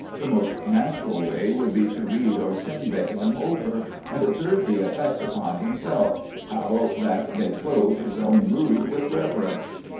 The most natural way would be to read or sing the hymns over, and observe the effect upon himself, how that they clothe his own mood with reverence.